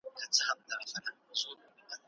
مغولو نه غوښتل چي په بې لارۍ کي پاتې سي.